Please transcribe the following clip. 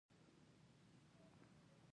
د کچالو شیره د څه لپاره وکاروم؟